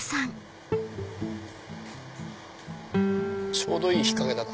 ちょうどいい日陰だな